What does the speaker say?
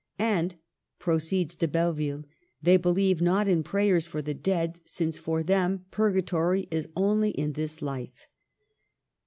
*'And," proceeds De Belleville, ''they believe not in prayers for the dead, since for them pur gatory is only in this life."